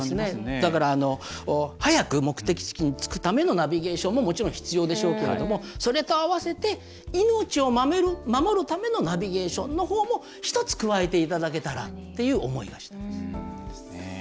だから、早く目的地に着くためのナビゲーションももちろん必要でしょうけれどもそれとあわせて命を守るためのナビゲーションのほうも１つ加えていただけたらという思いがしています。